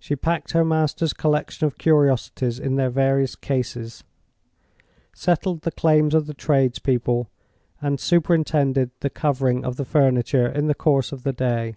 She packed her master's collection of curiosities in their various cases, settled the claims of the trades people, and superintended the covering of the furniture in the course of the day.